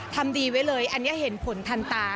ทำดีไว้เลยอันนี้เห็นผลทันตา